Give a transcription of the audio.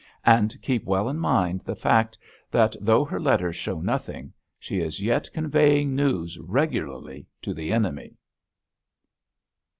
And keep well in mind the fact that, though her letters show nothing, she is yet conveying news regularly to the enemy."